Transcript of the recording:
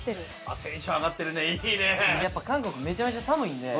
テンション上がってるね！